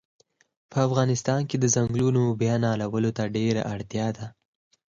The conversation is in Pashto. په افغانستان کښی د ځنګلونو بیا نالولو ته ډیره اړتیا ده